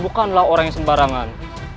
bukanlah orang yang sembarangan